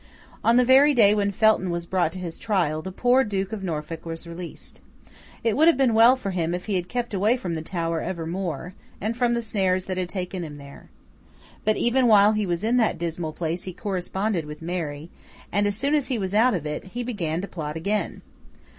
On the very day when Felton was brought to his trial, the poor Duke of Norfolk was released. It would have been well for him if he had kept away from the Tower evermore, and from the snares that had taken him there. But, even while he was in that dismal place he corresponded with Mary, and as soon as he was out of it, he began to plot again.